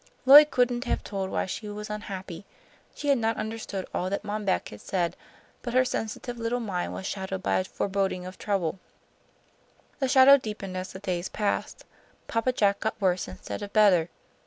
Lloyd couldn't have told why she was unhappy. She had not understood all that Mom Beck had said, but her sensitive little mind was shadowed by a foreboding of trouble. The shadow deepened as the days passed. Papa Jack got worse instead of better.